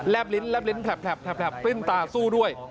แลบลิ้นปลิ้นตาสู้ด้วย